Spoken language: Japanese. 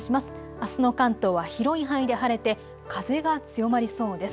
あすの関東は広い範囲で晴れて風が強まりそうです。